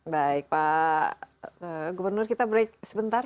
baik pak gubernur kita break sebentar